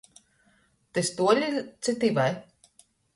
Tys tuoli ci tyvai?